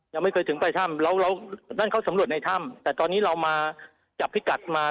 ยังไม่เคยถึงปลายถ้ำเราเรานั่นเขาสำรวจในถ้ำแต่ตอนนี้เรามาจับพิกัดมา